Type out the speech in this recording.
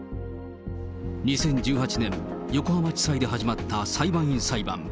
２０１８年、横浜地裁で始まった裁判員裁判。